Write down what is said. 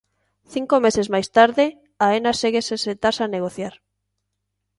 Cinco meses máis tarde, Aena segue sen sentarse a negociar.